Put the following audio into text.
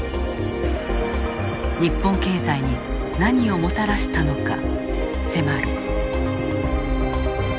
日本経済に何をもたらしたのか迫る。